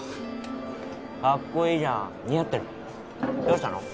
カッコいいじゃん似合ってるどうしたの？